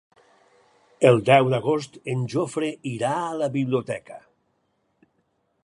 El deu d'agost en Jofre irà a la biblioteca.